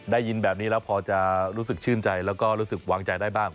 ได้ยินแบบนี้แล้วพอจะรู้สึกชื่นใจแล้วก็รู้สึกวางใจได้บ้าง